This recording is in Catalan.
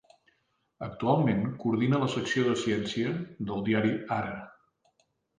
Actualment coordina la secció de ciència del diari Ara.